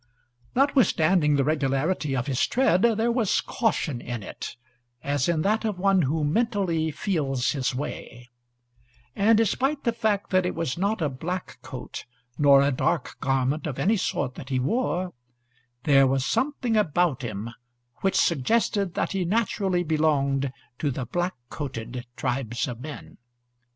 Notwithstanding the regularity of his tread, there was caution in it, as in that of one who mentally feels his way; and, despite the fact that it was not a black coat nor a dark garment of any sort that he wore, there was something about him which suggested that he naturally belonged to the black coated tribes of men.